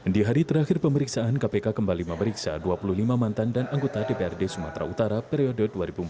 di hari terakhir pemeriksaan kpk kembali memeriksa dua puluh lima mantan dan anggota dprd sumatera utara periode dua ribu empat belas dua ribu